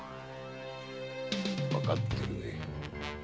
わかってるね。